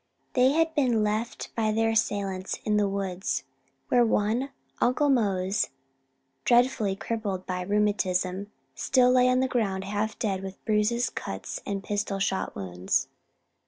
They had been left by their assailants in the woods, where one "Uncle Mose" dreadfully crippled by rheumatism, still lay on the ground half dead with bruises, cuts, and pistol shot wounds.